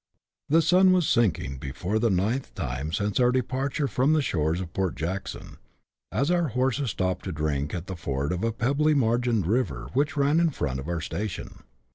The sun was sinking for the ninth time since our departure from the shores of Port Jackson, as our horses stopped to drink at the ford of a pebbly margined river which ran in front of our station.